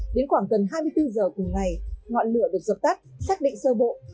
đến khoảng gần hai mươi bốn giờ cùng ngày ngọn lửa được dập tắt xác định sơ bộ